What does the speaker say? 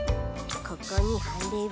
ここにはれば。